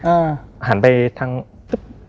พระพุทธรูปได้ว่ามันหันขอไปทางซ้ายคึกเฐี๊ยบ